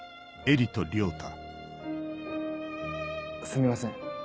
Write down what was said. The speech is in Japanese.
すみません。